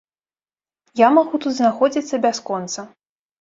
Я магу тут знаходзіцца бясконца.